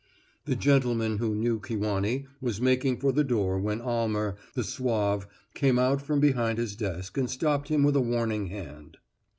The gentleman who knew Kewanee was making for the door when Almer, the suave, came out from behind his desk and stopped him with a warning hand.